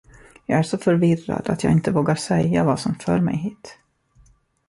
Jag är så förvirrad, att jag inte vågar säga, vad som för mig hit.